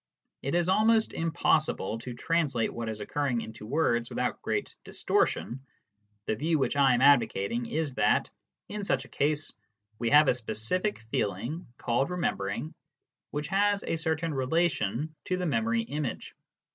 It is almost impossible to translate what is occurring into words without great distortion. The view which I am advocating is that, in such a case, we have a specific feeling, called remembering, which has a certain relation to the memory image.